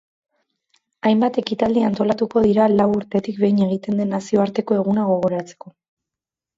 Hainbat ekitaldi antolatuko dira lau urtetik behin egiten den nazioarteko eguna gogoratzeko.